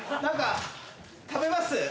何か食べます？